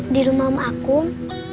di rumah om akum